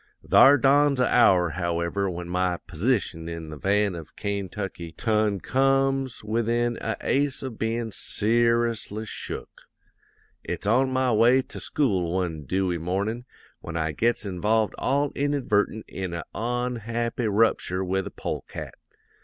"'Thar dawns a hour, however, when my p'sition in the van of Kaintucky ton comes within a ace of bein' ser'ously shook. It's on my way to school one dewy mornin' when I gets involved all inadvertent in a onhappy rupture with a polecat.